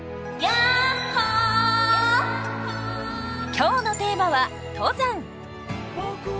今日のテーマは登山。